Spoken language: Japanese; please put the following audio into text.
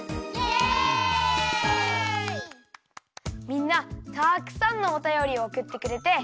みんなたくさんのおたよりをおくってくれて。